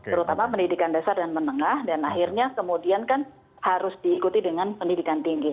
terutama pendidikan dasar dan menengah dan akhirnya kemudian kan harus diikuti dengan pendidikan tinggi